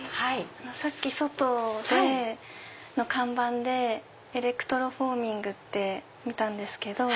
さっき外の看板でエレクトロフォーミングって見たんですけど。